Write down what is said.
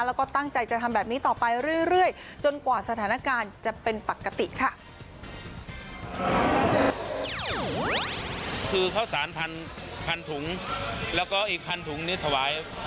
แล้วก็ตั้งใจจะทำแบบนี้ต่อไปเรื่อยจนกว่าสถานการณ์จะเป็นปกติค่ะ